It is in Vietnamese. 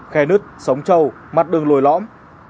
khe nứt sống trâu mặt đường lồi lõm